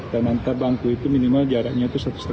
dan nanti bangku itu minimal jaraknya itu satu lima meter